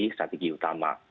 jadi strategi utama